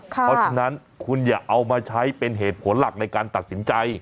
เพราะฉะนั้นคุณอย่าเอามาใช้เป็นเหตุผลหลักในการตัดสินใจ